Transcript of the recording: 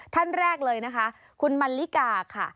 ท่านแรกเลยนะคะคุณมันลิกาค่ะ